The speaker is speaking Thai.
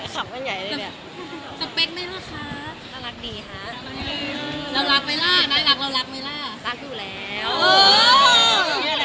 แล้วให้หนูบอกว่าหนูเกลียดพี่เขาก็ไม่ได้ไง